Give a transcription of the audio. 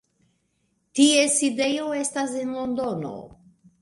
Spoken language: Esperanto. Ties sidejo estas en Londono.